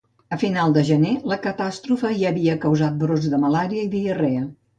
A final de gener, la catàstrofe ja havia causat brots de malària i diarrea.